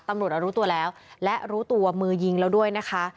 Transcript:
ตำรวจรู้ตัวแล้วและรู้ตัวมือยิงแล้วด้วยนะคะ